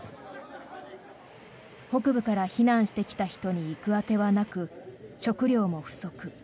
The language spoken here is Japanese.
北部から避難してきた人に行く当てはなく、食料も不足。